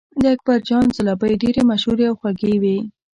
د اکبرجان ځلوبۍ ډېرې مشهورې او خوږې وې.